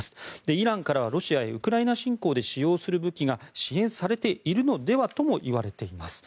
イランからはロシアへウクライナ侵攻で使用する武器が支援されているのではともいわれています。